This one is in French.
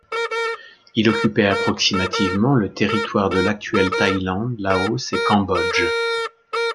Il occupait approximativement le territoire de l'actuelle Thaïlande, Laos et Cambodge.